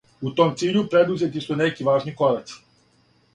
У том циљу предузети су неки важни кораци.